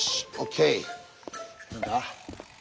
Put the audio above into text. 何だ？